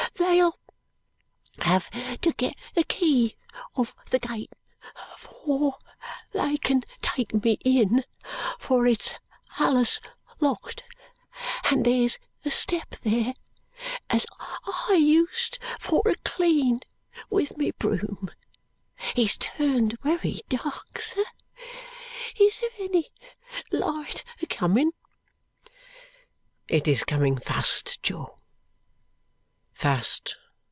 They'll have to get the key of the gate afore they can take me in, for it's allus locked. And there's a step there, as I used for to clean with my broom. It's turned wery dark, sir. Is there any light a comin?" "It is coming fast, Jo." Fast.